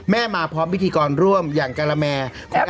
แม่มาพร้อมพิธีกรรมร่วมอย่างกาลแมร์